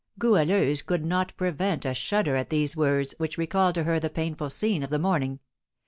Goualeuse could not prevent a shudder at these words, which recalled to her the painful scene of the morning.